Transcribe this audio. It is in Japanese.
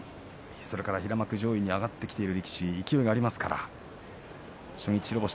それから平幕上位に上がってきている力士、勢いがありますから初日白星